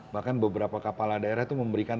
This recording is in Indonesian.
bahkan beberapa kepala daerah itu memberikan